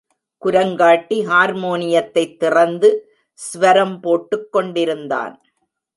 குரங்காட்டி ஹார்மோனியத்தைத் திறந்து ஸ்வரம் போட்டுக் கொண்டிருந்தான்.